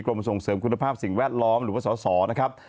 ส่งเสริมคุณภาพสิ่งแวดล้อมหรือว่าสสนะครับ